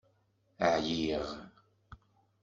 Ɛyiɣ.